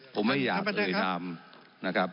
ผมไม่อยากเอ่ยนามนะครับ